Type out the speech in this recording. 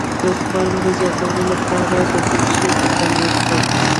د سپرم د زیاتوالي لپاره د کوم شي تخم وخورم؟